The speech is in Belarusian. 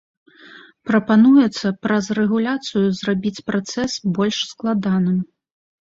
Прапануецца праз рэгуляцыю зрабіць працэс больш складаным.